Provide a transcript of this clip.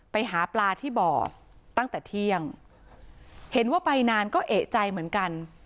ไปหาปลาที่บ่อตั้งแต่เที่ยงเห็นว่าไปนานก็เอกใจเหมือนกัน